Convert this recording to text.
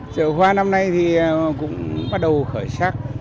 chợ hoa năm nay thì cũng bắt đầu khởi sắc